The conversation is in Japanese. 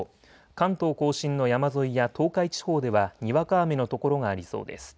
関東甲信の山沿いや東海地方ではにわか雨の所がありそうです。